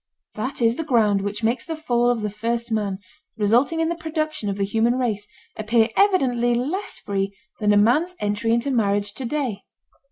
That is the ground which makes the fall of the first man, resulting in the production of the human race, appear evidently less free than a man's entry into marriage today.